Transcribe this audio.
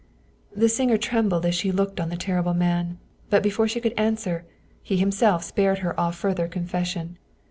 " The singer trembled as she looked on the terrible man, but before she could answer, he himself spared her all fur ther confession.